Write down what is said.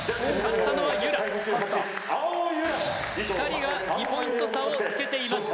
２人が２ポイント差をつけています。